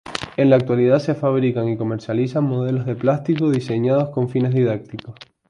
En la actualidad, se fabrican y comercializan modelos de plástico, diseñados con fines didácticos.